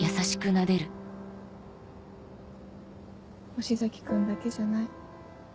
星崎君だけじゃない。